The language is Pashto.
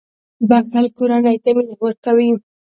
• بښل کورنۍ ته مینه ورکوي.